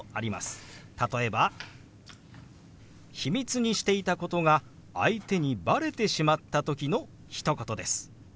例えば秘密にしていたことが相手にばれてしまった時のひと言です。